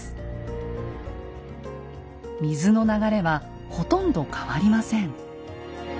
水の流れはほとんど変わりません。